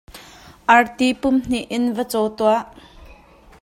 Arti pumhnih in va caw tuah.